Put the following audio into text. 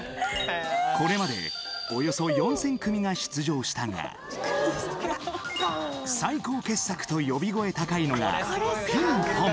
これまでおよそ４０００組が出場したが最高傑作と呼び声高いのが「ピンポン」。